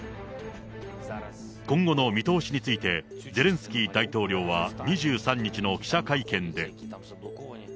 今後の見通しについて、ゼレンスキー大統領は２３日の記者会見で。